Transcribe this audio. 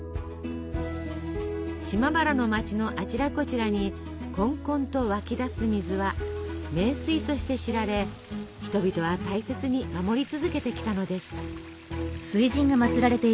島原の町のあちらこちらにこんこんと湧き出す水は名水として知られ人々は大切に守り続けてきたのです。